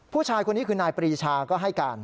ผู้ชายคนนี้คือนายปรีชาก็ให้การ